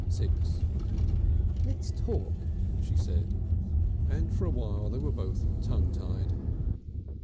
VI "Let's talk," she said, and for a time they were both tongue tied.